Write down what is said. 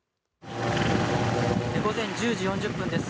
午前１０時４０分です。